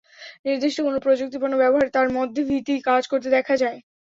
নির্দিষ্ট কোনো প্রযুক্তিপণ্য ব্যবহারে তাঁর মধ্যে ভীতি কাজ করতে দেখা যায়।